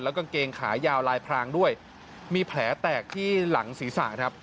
กางเกงขายาวลายพรางด้วยมีแผลแตกที่หลังศีรษะครับ